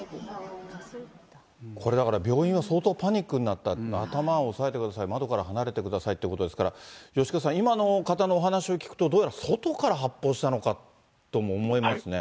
これだから、病院は相当、パニックになった、頭を押さえてください、窓から離れてくださいってことですから、吉川さん、今の方のお話を聞くと、どうやら外から発砲したのかとも思えますね。